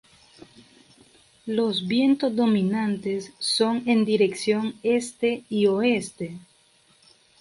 Los vientos dominantes son en dirección este y oeste.